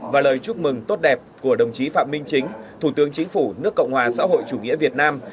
và lời chúc mừng tốt đẹp của đồng chí phạm minh chính thủ tướng chính phủ nước cộng hòa xã hội chủ nghĩa việt nam